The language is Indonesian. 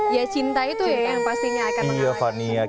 ya cinta itu ya yang pastinya akan memperbaikinya semua